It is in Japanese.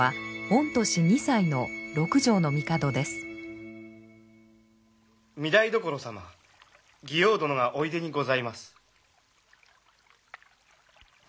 ・御台所様妓王殿がおいでにございます。